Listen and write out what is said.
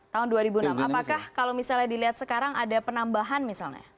tahun dua ribu enam apakah kalau misalnya dilihat sekarang ada penambahan misalnya